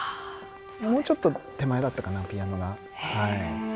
もうちょっと手前だったかなピアノが。